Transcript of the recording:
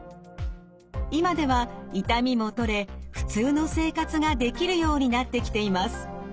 今では痛みも取れ普通の生活ができるようになってきています。